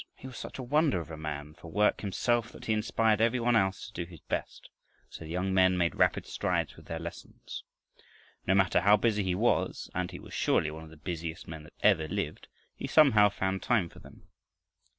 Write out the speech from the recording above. He was such a wonder of a man for work himself that he inspired every one else to do his best, so the young men made rapid strides with their lessons. No matter how busy he was, and he was surely one of the busiest men that ever lived, he somehow found time for them.